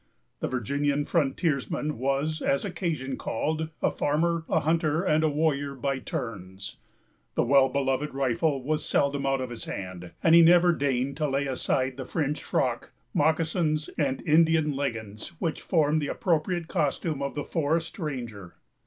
The Virginian frontiersman was, as occasion called, a farmer, a hunter, and a warrior, by turns. The well beloved rifle was seldom out of his hand; and he never deigned to lay aside the fringed frock, moccasons, and Indian leggins, which formed the appropriate costume of the forest ranger.